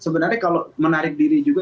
sebenarnya kalau menarik diri juga